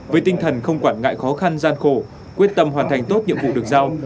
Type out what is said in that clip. với tinh thần không quản ngại khó khăn gian khổ quyết tâm hoàn thành tốt nhiệm vụ được giao